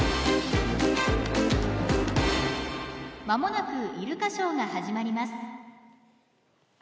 間もなくイルカショーが始まります。